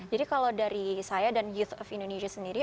jadi kalau dari saya dan youth of indonesia sendiri